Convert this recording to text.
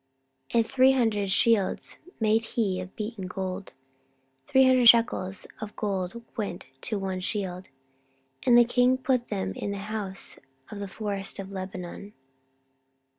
14:009:016 And three hundred shields made he of beaten gold: three hundred shekels of gold went to one shield. And the king put them in the house of the forest of Lebanon.